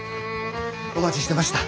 お待ちしてました。